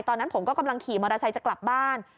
ตอนนั้นผมก็กำลังขี่มอเตอร์ไซค์จะกลับบ้าน